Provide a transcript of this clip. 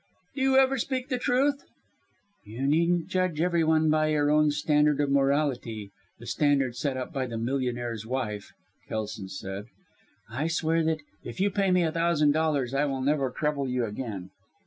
"Do you ever speak the truth?" "You needn't judge every one by your own standard of morality the standard set up by the millionaire's wife," Kelson said. "I swear that if you pay me a thousand dollars I will never trouble you again."